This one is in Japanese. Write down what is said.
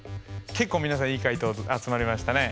結構皆さんいい解答集まりましたね。